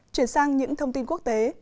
chuyển sang những thông tin quốc tế